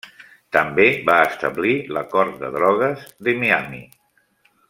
També va establir la Cort de Drogues de Miami.